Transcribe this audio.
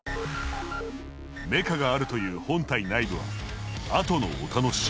メカがあるという本体内部はあとのお楽しみ。